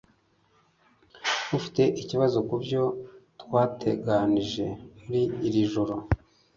Ufite ikibazo kubyo twateganije muri iri joro?